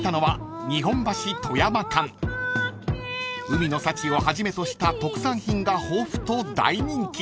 ［海の幸をはじめとした特産品が豊富と大人気］